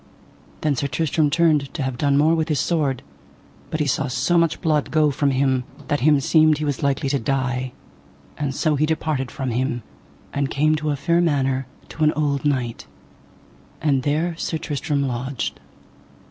Then Sir Tristram turned to have done more with his sword, but he saw so much blood go from him that him seemed he was likely to die, and so he departed from him and came to a fair manor to an old knight, and there Sir Tristram lodged.